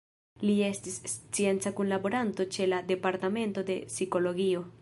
Li estis scienca kunlaboranto ĉe la Departemento de Psikologio.